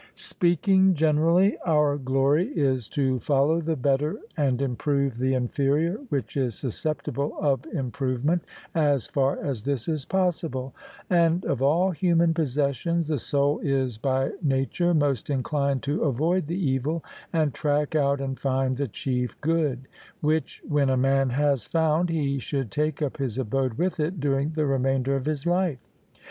Speaking generally, our glory is to follow the better and improve the inferior, which is susceptible of improvement, as far as this is possible. And of all human possessions, the soul is by nature most inclined to avoid the evil, and track out and find the chief good; which when a man has found, he should take up his abode with it during the remainder of his life.